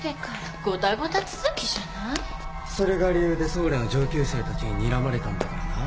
それが理由で太陽の上級生たちににらまれたんだからな。